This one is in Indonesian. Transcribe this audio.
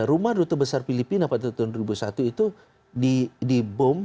rumah duta besar filipina pada tahun dua ribu satu itu di bom